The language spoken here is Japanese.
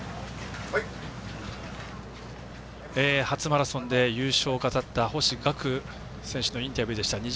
初マラソンで優勝を飾った星岳選手のインタビューでした。